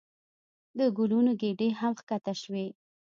د ګلونو ګېډۍ هم ښکته شوې.